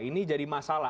ini jadi masalah